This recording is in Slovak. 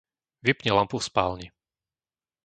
Vypni lampu v spálni.